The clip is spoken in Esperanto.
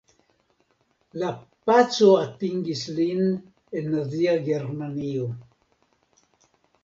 La paco atingis lin en nazia Germanio.